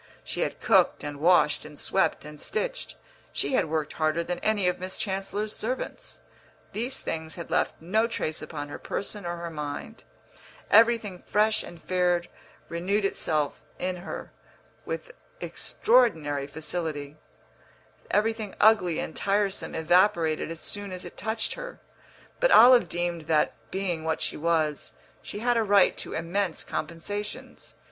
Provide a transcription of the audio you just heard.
She had cooked and washed and swept and stitched; she had worked harder than any of Miss Chancellor's servants. These things had left no trace upon her person or her mind; everything fresh and fair renewed itself in her with extraordinary facility, everything ugly and tiresome evaporated as soon as it touched her; but Olive deemed that, being what she was, she had a right to immense compensations.